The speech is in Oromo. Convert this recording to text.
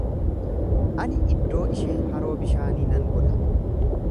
Ani iddoo ishee haroo bishaanii nan godha.